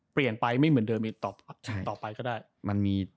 เปลี่ยนไปไม่เหมือนเดิมอีกต่อไปก็ได้มันมี